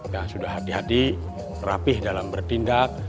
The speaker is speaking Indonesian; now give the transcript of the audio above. yang sudah hati hati rapih dalam bertindak